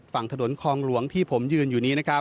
ฝั่งถนนคลองหลวงที่ผมยืนอยู่นี้นะครับ